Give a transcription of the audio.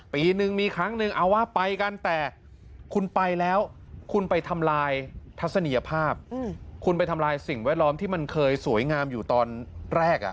ปีนึงมีครั้งหนึ่งเอาว่าไปกันแต่คุณไปแล้วคุณไปทำลายทัศนียภาพคุณไปทำลายสิ่งแวดล้อมที่มันเคยสวยงามอยู่ตอนแรก